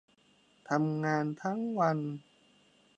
ทำงานทั้งวัน